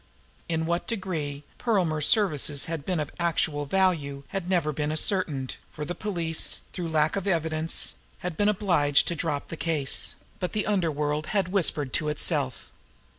In what degree Perlmer's services had been of actual value had never been ascertained, for the police, through lack of evidence, had been obliged to drop the case; but the underworld had whispered to itself.